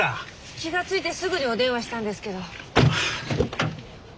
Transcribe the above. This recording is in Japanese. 気が付いてすぐにお電話したんですけど。